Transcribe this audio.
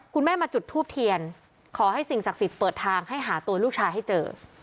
คุณแม่มาจุดทูบเทียนขอให้สิ่งศักดิ์สิทธิ์เปิดทางให้หาตัวลูกชายให้เจอ